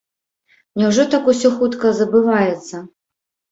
Няўжо так усё хутка забываецца?